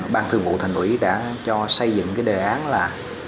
ban thư vụ thành ủy đã cho xây dựng cái đề án là